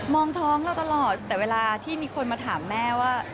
องท้องเราตลอดแต่เวลาที่มีคนมาถามแม่ว่า